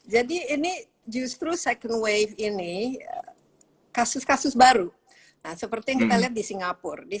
jadi ini justru second wave ini kasus kasus baru seperti yang kita lihat di singapura di